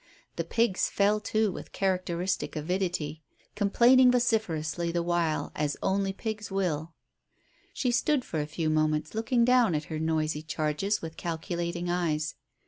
The pigs fell to with characteristic avidity, complaining vociferously the while as only pigs will. She stood for a few moments looking down at her noisy charges with calculating eyes.